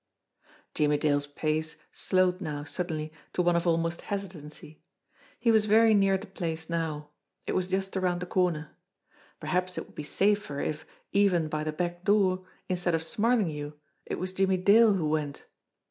Jimmie Dale's pace slowed now suddenly to one of almost hesitancy. He was very near the place now; it was just around the corner. Perhaps it would be safer if, even by the back door, instead of Smarlinghue, it was Jimmie Dale who went!